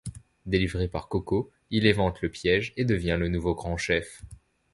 Délivré par Coco, il évente le piège et devient le nouveau grand chef.